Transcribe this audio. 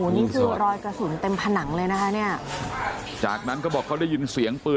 นี่คือรอยกระสุนเต็มผนังเลยนะคะเนี่ยจากนั้นก็บอกเขาได้ยินเสียงปืน